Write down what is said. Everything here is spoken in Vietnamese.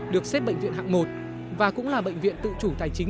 được xếp bệnh viện hạng một và cũng là bệnh viện tự chủ tài chính một trăm linh